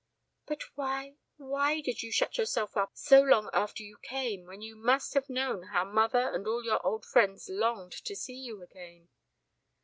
"But why why did you shut yourself up so long after you came when you must have known how mother and all your old friends longed to see you again?"